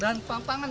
dan jangka panjang